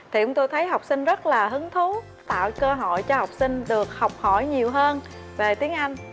thì tôi thấy học sinh rất là hứng thú tạo cơ hội cho học sinh được học hỏi nhiều hơn về tiếng anh